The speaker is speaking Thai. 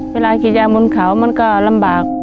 เวลากิจยังหมุนเผาจะลำบาก